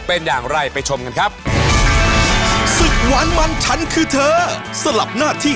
เป็นอย่างไรไปชมกันครับ